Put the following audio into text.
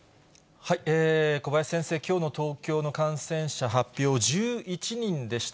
小林先生、きょうの東京の感染者発表、１１人でした。